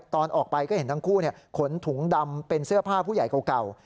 ตอนออกไปก็เห็นทั้งคู่ขนถุงดำเป็นเสื้อผ้าผู้ใหญ่เก่า